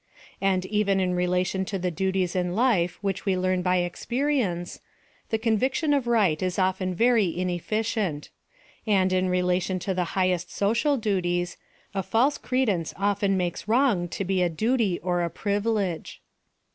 And even in relation to the duties in life which we learn by experience, the conviction of right is often very inefficient: and in relation to the hif^hest social duties, a false credence often makes wrong to be a duty or a privilege.